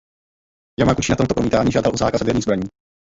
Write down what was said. Jamaguči na tomto promítání žádal o zákaz jaderných zbraní.